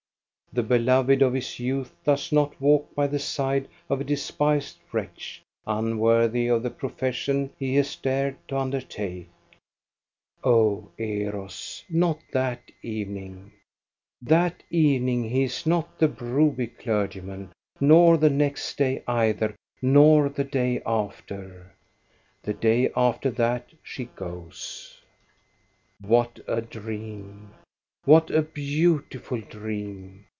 The beloved of his youth does not walk by the side of a despised wretch, unworthy of the profession he has dared to undertake ! Oh, Eros, not that evening ! That evening he is not the Broby clergyman, nor the next day either, nor the day after. The day after that she goes. What a dream, what a beautiful dream